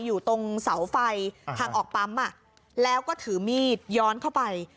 อยู่ตรงเสาไฟทางออกปั๊มแล้วก็ถือมีดย้อนเข้าไป